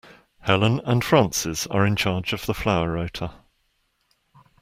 Helen and Frances are in charge of the flower rota